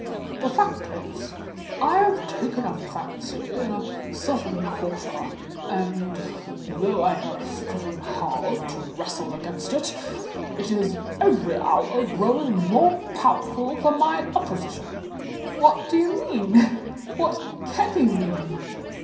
"The fact is I have taken a fancy in a certain quarter—and, though I have striven hard to wrestle against it, it is every hour growing more powerful than my opposition." "What do you mean? what can you mean?"